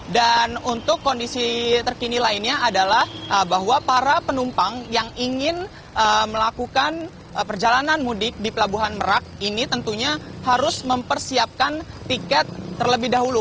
dan untuk kondisi terkini lainnya adalah bahwa para penumpang yang ingin melakukan perjalanan mudik di pelabuhan merak ini tentunya harus mempersiapkan tiket terlebih dahulu